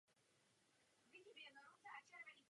Postavit hospodářství znovu na nohy zůstává hlavní prioritou.